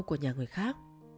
của nhà người khác